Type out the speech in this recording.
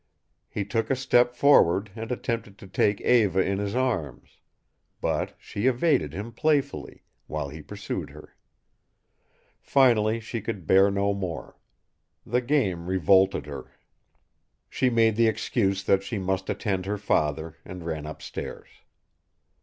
He took a step forward and attempted to take Eva in his arms. But she evaded him playfully, while he pursued her. Finally she could bear no more. The game revolted her. She made the excuse that she must attend her father, and ran up stairs.